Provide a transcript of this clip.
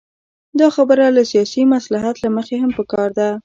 دا خبره له سیاسي مصلحت له مخې هم پکار ده.